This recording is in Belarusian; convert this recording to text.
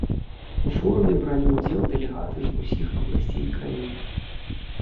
У форуме бралі ўдзел дэлегаты з усіх абласцей краіны.